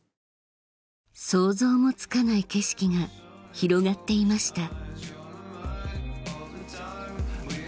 想像もつかない景色が広がっていました